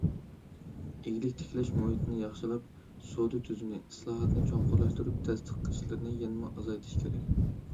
ئىگىلىك تىكلەش مۇھىتىنى ياخشىلاپ، سودا تۈزۈمى ئىسلاھاتىنى چوڭقۇرلاشتۇرۇپ، تەستىق ئىشلىرىنى يەنىمۇ ئازايتىش كېرەك.